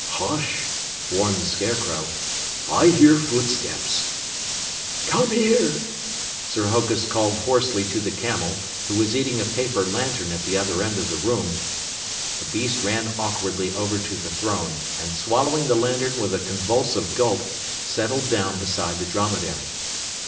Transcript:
"Hush!" warned the Scarecrow. "I hear footsteps!" "Come here." Sir Hokus called hoarsely to the camel, who was eating a paper lantern at the other end of the room. The beast ran awkwardly over to the throne, and swallowing the lantern with a convulsive gulp, settled down beside the dromedary.